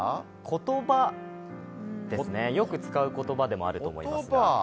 言葉ですね、よく使う言葉でもあると思います。